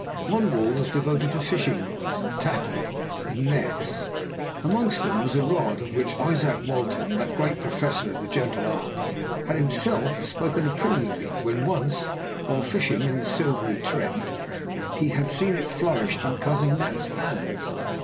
One wall was devoted to fishing rods, tackle, and nets. Among them was a rod of which Izaak Walton, that great professor of the gentle art, had himself spoken approvingly when once, while fishing in the silvery Trent, he had seen it flourished in Cousin Nat's hands.